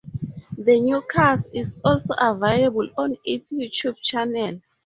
The newscast is also available on its Youtube channel.